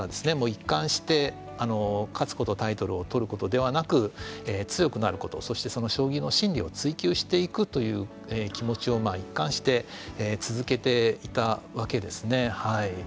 一貫して勝つことタイトルを取ることではなく強くなることそして将棋の真理を追求していくという気持ちを一貫して続けていたわけですね。